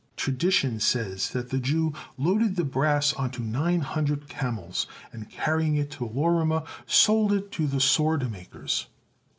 Tradition says that the Jew loaded the brass onto nine hundred camels, and, carrying it to Loryma, sold it to the sword makers.